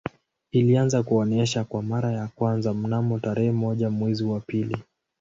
Ilianza kuonesha kwa mara ya kwanza mnamo tarehe moja mwezi wa pili